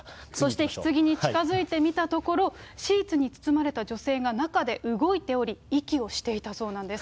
そして、ひつぎに近づいてみたところ、シーツに包まれた女性が中で動いており、息をしていたそうなんです。